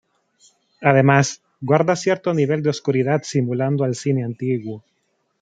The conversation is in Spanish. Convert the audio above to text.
Además guarda cierto nivel de oscuridad simulando al cine antiguo.